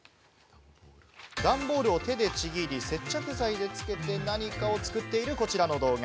段ボールを手でちぎり、接着剤でつけて何かを作っているこちらの動画。